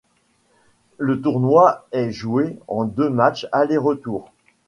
Le tournoi est joué en deux matchs aller-retour.